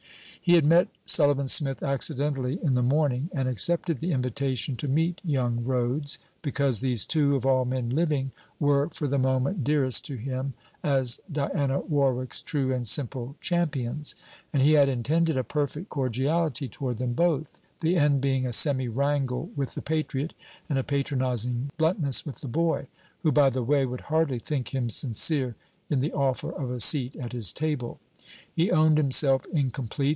He had met Sullivan Smith accidentally in the morning and accepted the invitation to meet young Rhodes, because these two, of all men living, were for the moment dearest to him, as Diana Warwick's true and simple champions; and he had intended a perfect cordiality toward them both; the end being a semi wrangle with the patriot, and a patronizing bluntness with the boy; who, by the way, would hardly think him sincere in the offer of a seat at his table. He owned himself incomplete.